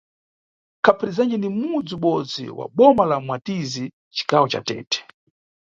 Kaphirizanje ni mudzi ubodzi wa boma la Mwatizi, cigawo ca Tete.